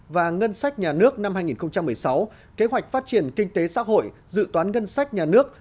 và ngân sách nhà nước năm hai nghìn một mươi sáu kế hoạch phát triển kinh tế xã hội dự toán ngân sách nhà nước